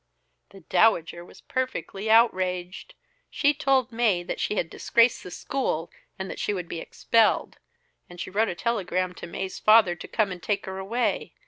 "The Dowager was perfectly outraged! She told Mae that she had disgraced the school and that she would be expelled. And she wrote a telegram to Mae's father to come and take her away.